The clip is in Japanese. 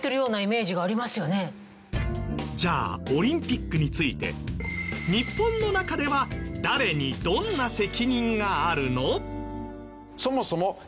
じゃあオリンピックについて日本の中では誰にどんな責任があるの？